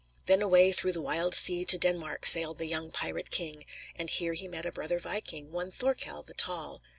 Then away "through the wild sea" to Denmark sailed the young pirate king, and here he met a brother viking, one Thorkell the Tall.